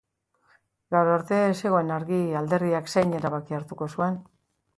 Gaur arte ez zegoen argi alderdiak zein erabaki hartuko zuen.